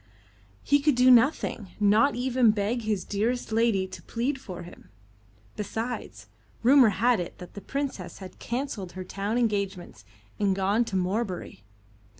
He could do nothing not even beg his dearest lady to plead for him. Besides, rumour had it that the Princess had cancelled her town engagements and gone to Morebury.